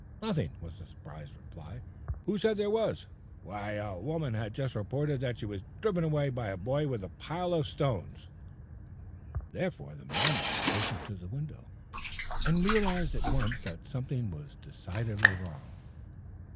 "Nothing," was the surprised reply. "Who said there was?" "Why, a woman has just reported that she was driven away by a boy with a pile of stones." The manager hastened to the window, and realized at once that something was decidedly wrong.